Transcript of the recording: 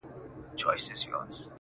استوم يې زه ورته چې راشي په چوټۍ